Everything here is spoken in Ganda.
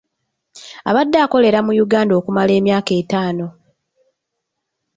Abadde akolerera mu Uganda okumala emyaka etaano.